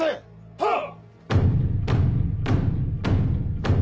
はっ！